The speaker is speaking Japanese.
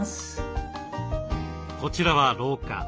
こちらは廊下。